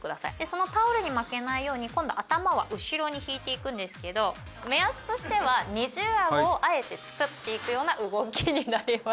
「そのタオルに負けないように今度頭は後ろに引いていくんですけど目安としては二重アゴをあえて作っていくような動きになります」